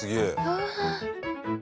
うわ！